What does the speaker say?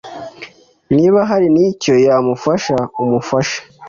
Niba hari n icyo yamufasha umufashe.